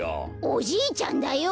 おじいちゃんだよ！